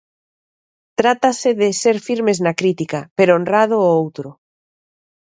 Trátase de ser firmes na crítica, pero honrando o outro.